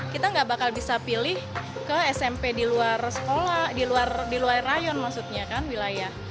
kita nggak bakal bisa pilih ke smp di luar sekolah di luar rayon maksudnya kan wilayah